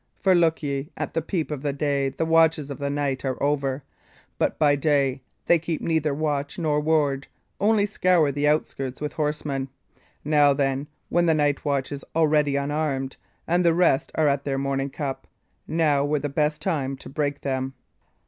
For, look ye, at the peep of day the watches of the night are over; but by day they keep neither watch nor ward only scour the outskirts with horsemen. Now, then, when the night watch is already unarmed, and the rest are at their morning cup now were the time to break them."